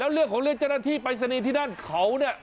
แล้วเรื่องของเรือเจ้าหน้าที่ไปสนีที่ด้านเขาเนี่ย